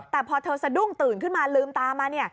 แต่พอเธอสะดุ้งตื่นขึ้นมาลืมตามา